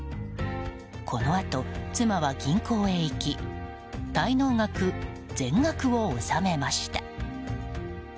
このあと、妻は銀行へ行き滞納額全額を納めました。